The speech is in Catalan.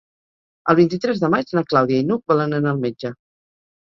El vint-i-tres de maig na Clàudia i n'Hug volen anar al metge.